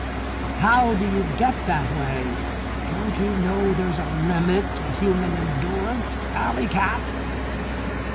How do you get that way? Don't you know there's a limit to human endurance, alley cat?"